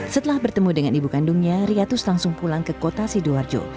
setelah bertemu dengan ibu kandungnya riatus langsung pulang ke kota sidoarjo